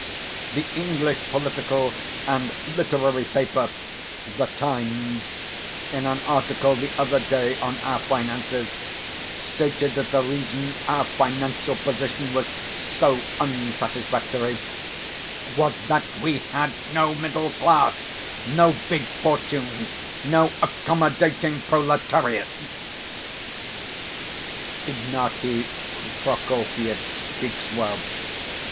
The English political and literary paper, The Times, in an article the other day on our finances stated that the reason our financial position was so unsatisfactory was that we had no middle class, no big fortunes, no accommodating proletariat.' Ignaty Prokofyitch speaks well.